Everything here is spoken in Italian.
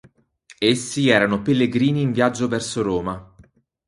Essi erano pellegrini in viaggio verso Roma.